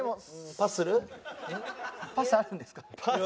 パスあるんですか？